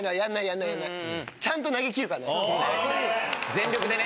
・全力でね。